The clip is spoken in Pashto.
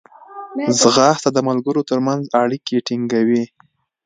ځغاسته د ملګرو ترمنځ اړیکې ټینګوي